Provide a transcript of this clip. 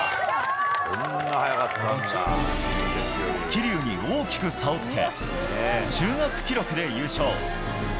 桐生に大きく差をつけ、中学記録で優勝。